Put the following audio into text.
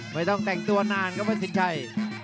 ไม่ต้องแต่งตัวนานครับว่าสินชัย